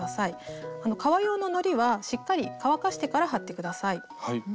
革用ののりはしっかり乾かしてから貼って下さい。